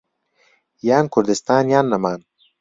یان کوردستان یان نەمان.